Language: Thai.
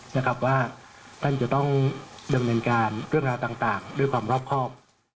นะครับว่าท่านจะต้องดำเนินการเรื่องราวต่างด้วยความรอบครอบ